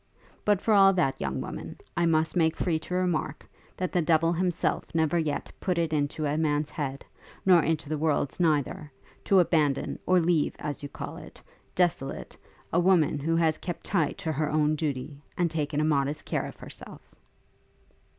But for all that, young woman, I must make free to remark, that the devil himself never yet put it into a man's head, nor into the world's neither, to abandon, or leave, as you call it, desolate, a woman who has kept tight to her own duty, and taken a modest care of herself.'